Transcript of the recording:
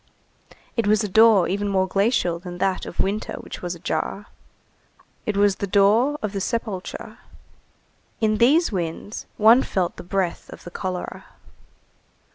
It was a door even more glacial than that of winter which was ajar. It was the door of the sepulchre. In these winds one felt the breath of the cholera.